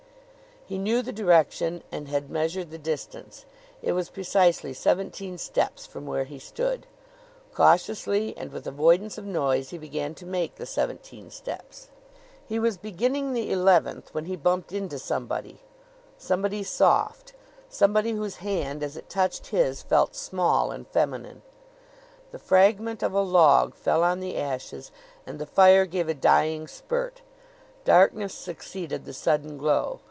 He knew the direction and had measured the distance. It was precisely seventeen steps from where he stood. Cautiously, and with avoidance of noise, he began to make the seventeen steps. He was beginning the eleventh when he bumped into somebody somebody soft somebody whose hand, as it touched his, felt small and feminine. The fragment of a log fell on the ashes and the fire gave a dying spurt. Darkness succeeded the sudden glow.